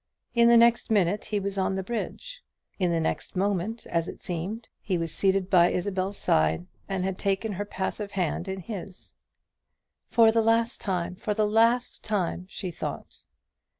In the next minute he was on the bridge; in the next moment, as it seemed, he was seated by Isabel's side, and had taken her passive hand in his. For the last time for the last time! she thought.